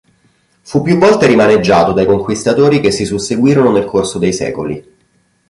Fu più volte rimaneggiato dai conquistatori che si susseguirono nel corso dei secoli.